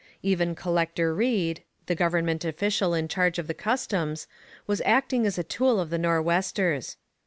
Even Collector Reed, the government official in charge of the customs, was acting as the tool of the Nor'westers.